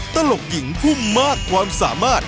ตลกหญิงพุ่มมากความสามารถ